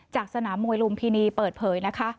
สนามมวยลุมพินีเปิดเผยนะคะ